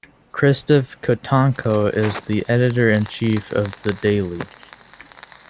Christoph Kotanko is the editor-in-chief of the daily.